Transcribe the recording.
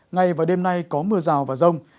ngay vào đêm nay có mưa rào và rông